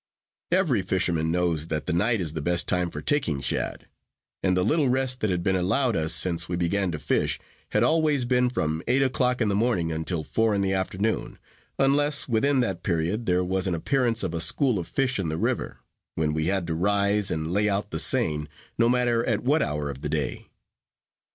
Every fisherman knows that the night is the best time for taking shad; and the little rest that had been allowed us, since we began to fish, had always been from eight o'clock in the morning until four in the afternoon; unless within that period there was an appearance of a school of fish in the river; when we had to rise, and lay out the seine, no matter at what hour of the day.